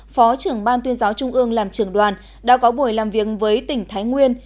phó trưởng ban tuyên giáo trung ương làm trưởng đoàn đã có buổi làm việc với tỉnh thái nguyên